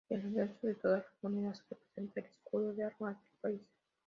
El anverso de todas las monedas representa el escudo de armas del país.